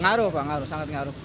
ngaruh pak sangat ngaruh